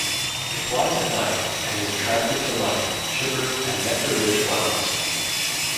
It flies at night and is attracted to light, sugar and nectar-rich flowers.